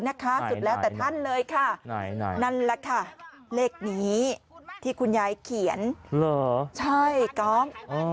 สุดแล้วแต่ท่านเลยค่ะนั่นแหละค่ะเลขนี้ที่คุณยายเขียนเหรอใช่ก๊อฟ